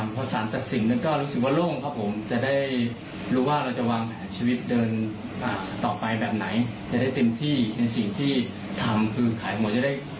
ไปแบบไหนจะได้เต็มที่ในสิ่งที่ทำคือขายของจะได้